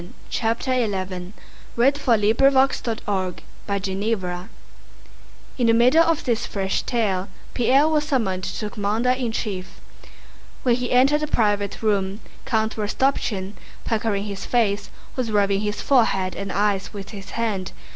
He found some scoundrel of a painter..." CHAPTER XI In the middle of this fresh tale Pierre was summoned to the commander in chief. When he entered the private room Count Rostopchín, puckering his face, was rubbing his forehead and eyes with his hand.